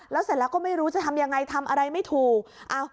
แล้วเสร็จแล้วก็ไม่รู้จะทำยังไงทำอะไรไม่ถูก